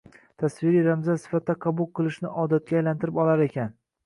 tasviriy ramzlar sifatida qabul qilishni odatga aylantirib olar ekan.